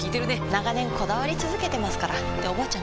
長年こだわり続けてますからっておばあちゃん